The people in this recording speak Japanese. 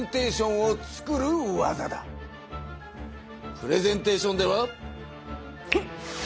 プレゼンテーションではフンッ！